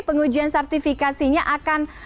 pengujian sertifikasinya akan